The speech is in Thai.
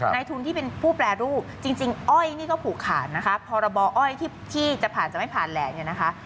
ในทุนที่เป็นผู้แปรรูปจริงอ้อยนี่ก็ผูกขาดนะคะพรบอ้อยที่จะผ่านจะไม่ผ่านแหละเนี่ยนะคะ